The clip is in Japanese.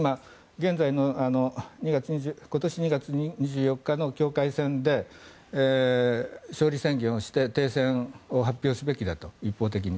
現在の、今年２月２４日の境界線で勝利宣言をして停戦を発表すべきだと一方的に。